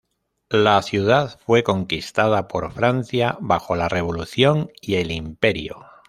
La ciudad fue conquistada por Francia bajo la Revolución y el Imperio.